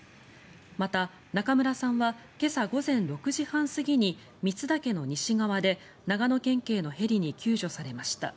また、中村さんは今朝午前６時半過ぎに三ツ岳の西側で長野県警のヘリに救助されました。